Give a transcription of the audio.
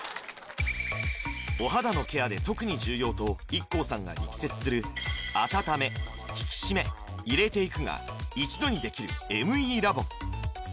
お肌のケアで特に重要とＩＫＫＯさんが力説する温め引き締め入れていくが一度にできるＭＥラボン